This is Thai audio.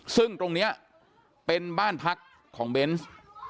ซึ่งตรงนี้เป็นบ้านพักของเบนส์